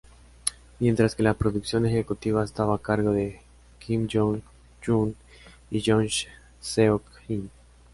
Mientras que la producción ejecutiva estuvo a cargo de Kim Joo-hyung y Young Seok-in.